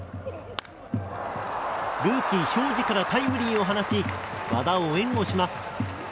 ルーキー荘司からタイムリーを放ち和田を援護します。